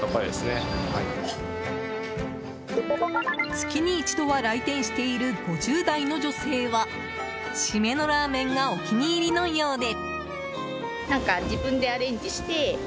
月に一度は来店している５０代の女性は締めのラーメンがお気に入りのようで。